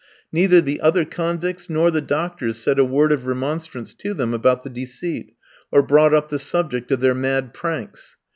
Neither the other convicts nor the doctors said a word of remonstrance to them about the deceit, or brought up the subject of their mad pranks.